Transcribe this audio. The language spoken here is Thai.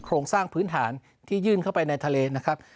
โครงสร้างพื้นฐานที่ยื่นเข้าไปในทะเลนะครับ